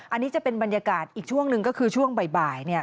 อันนี้จะเป็นบรรยากาศอีกช่วงหนึ่งก็คือช่วงบ่าย